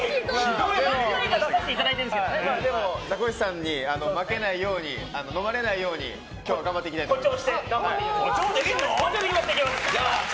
ザコシさんに負けないようにのまれないように今日は頑張っていきたいと思います。